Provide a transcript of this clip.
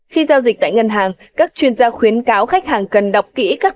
khi giao dịch tại ngân hàng các chuyên gia khuyến cáo khách hàng cần đọc kỹ các